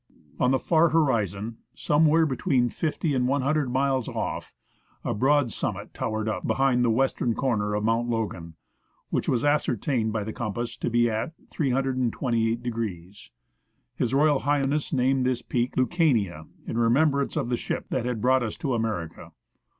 On the far horizon, somewhere between fifty and one hundred miles off, a broad summit towered up behind the western corner of Mount Logan, which was ascertained by the compass to be at 328°. H.R.H. named this peak " Lucania," in remembrance of the ship that had brought us to America.